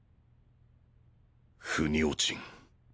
腑に落ちん